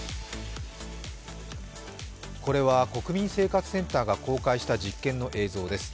これは国民生活センターが公開した実験の映像です。